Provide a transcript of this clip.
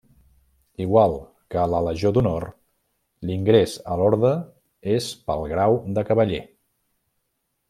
Igual que a la Legió d'Honor, l'ingrés a l'orde és pel grau de Cavaller.